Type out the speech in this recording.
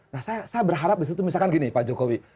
nah saya berharap misalkan gini pak jokowi